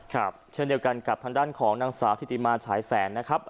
ครับเช่นเดียวกันกับทางด้านของนางสาวธิติมาฉายแสนนะครับ